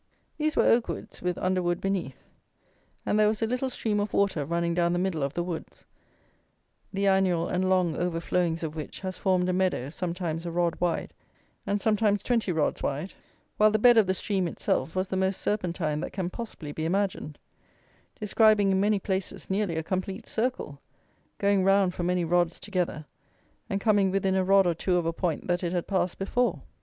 These were oak woods with underwood beneath; and there was a little stream of water running down the middle of the woods, the annual and long overflowings of which has formed a meadow sometimes a rod wide, and sometimes twenty rods wide, while the bed of the stream itself was the most serpentine that can possibly be imagined, describing, in many places, nearly a complete circle, going round for many rods together, and coming within a rod or two of a point that it had passed before.